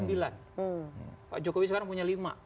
pak jokowi sekarang punya lima